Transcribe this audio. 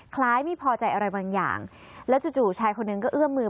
คล้ายไม่พอใจอะไรบางอย่างแล้วจู่ชายคนหนึ่งก็เอื้อมมือ